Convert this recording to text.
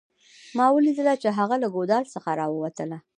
ما ولیدله چې هغه له ګودال څخه راووتله